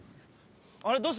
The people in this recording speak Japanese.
あれどうした？